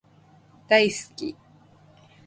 大好き